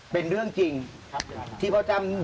เป็นเรื่องจริงที่พ่อจำได้ไปจริง